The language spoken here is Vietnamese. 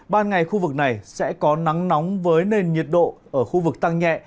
ban ngày khu vực này sẽ có nắng nóng với nền nhiệt độ ở khu vực tăng nhẹ